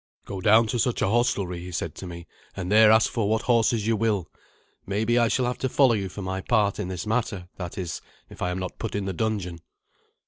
"Go down to such a hostelry," he said to me, "and there ask for what horses you will. Maybe I shall have to follow you for my part in this matter that is, if I am not put in the dungeon."